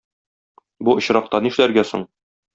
Бу очракта нишләргә соң?